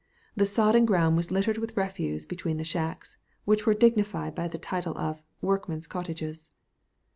The sodden ground was littered with refuse between the shacks, which were dignified by the title of "Workmen's Cottages."